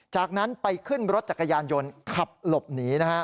จากนั้นไปขึ้นรถจักรยานยนต์ขับหลบหนีนะฮะ